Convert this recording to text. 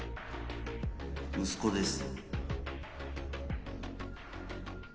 息子です。